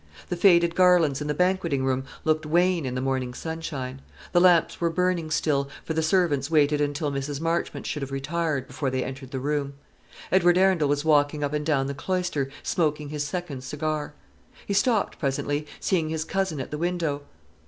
The faded garlands in the banqueting room looked wan in the morning sunshine; the lamps were burning still, for the servants waited until Mrs. Marchmont should have retired, before they entered the room. Edward Arundel was walking up and down the cloister, smoking his second cigar. He stopped presently, seeing his cousin at the window.